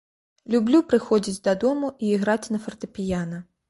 Люблю прыходзіць дадому і іграць на фартэпіяна.